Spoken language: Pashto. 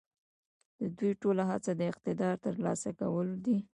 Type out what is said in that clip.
د دوی ټوله هڅه د اقتدار د تر لاسه کولو ده.